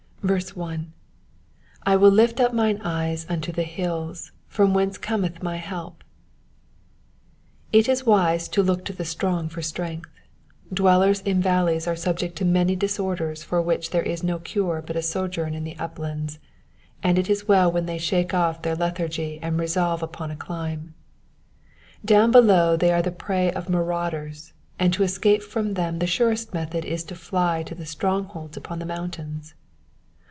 1. *'/ will lift up mine eyes unto the hiUs^from ichenee cometh myhdp^ It is wise to look to the strong for strength. Dwellers in valleys are subject to many disorders for which there is no cure but a sojourn in the uplands, and It is well when they shake off their lethargy and resolve upon a climb. Down below they are the prey of marauders, and to escape from them the surest method is to fly to the strongholds upon the mountains.